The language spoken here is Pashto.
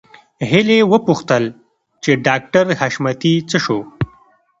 هيلې وپوښتل چې ډاکټر حشمتي څه شو